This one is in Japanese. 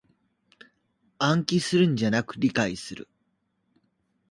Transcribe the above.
暗記するんじゃなく理解する